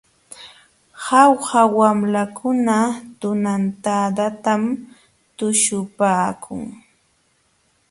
Jauja wamlakuna tunantadatam tuśhupaakun.